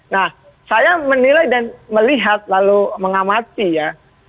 nah saya menilai dan melihat lalu mengamati ya